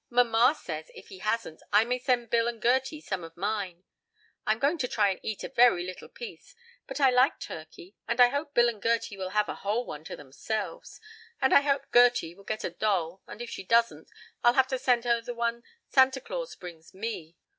Mamma says, if he hasn't, I may send Bill and Gerty some of mine. I'm going to try to eat a very little piece, but I like turkey, and I hope Bill and Gerty will have a whole one to themselves, and I hope Gerty will get a doll, and if she doesn't, I'll have to send her the one Santa Claus brings me."